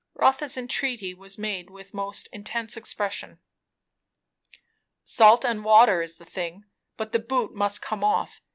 Rotha's entreaty was made with most intense expression. "Salt and water is the thing, but the boot must come off.